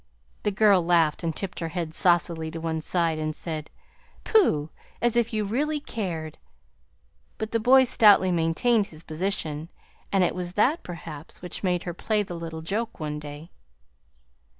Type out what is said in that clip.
The girl laughed and tipped her head saucily to one side, and said, 'Pooh! as if you really cared!' But the boy stoutly maintained his position, and it was that, perhaps, which made her play the little joke one day.